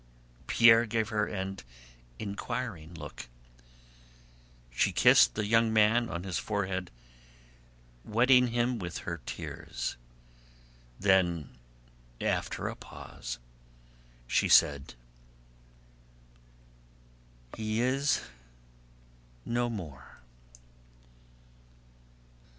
Pierre gave her an inquiring look. She kissed the young man on his forehead, wetting him with her tears. Then after a pause she said: "He is no more...."